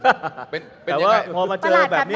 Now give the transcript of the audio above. แต่ว่าพอมาเจอแบบนี้